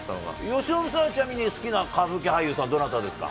由伸さん、ちなみに好きな歌舞伎俳優さん、どなたですか？